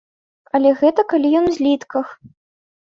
Але гэта калі ён у злітках.